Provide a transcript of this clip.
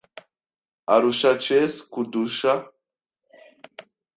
arusha chess kundusha.